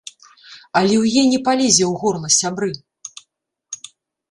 Аліўе не палезе ў горла, сябры.